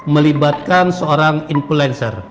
melibatkan seorang influencer